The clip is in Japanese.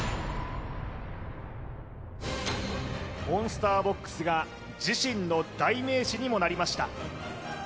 モンスターボックスが自身の代名詞にもなりました